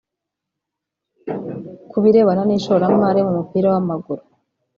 Ku birebana n’ishoramari mu mupira w’amaguru